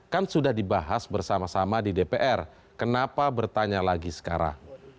kan sudah dibahas bersama sama di dpr kenapa bertanya lagi sekarang